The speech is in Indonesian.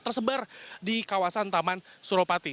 tersebar di kawasan taman suropati